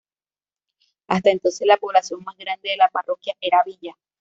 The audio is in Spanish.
Hasta entonces la población más grande de la parroquia era Villa.